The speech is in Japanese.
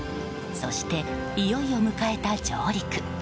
そして、いよいよ迎えた上陸。